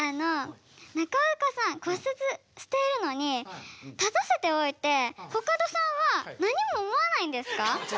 中岡さん骨折しているのに立たせておいてコカドさんは何も思わないんですか？